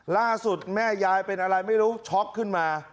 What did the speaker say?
ล่าสุดแม่ยายเป็นอะไรไม่รู้ช็อกขึ้นมา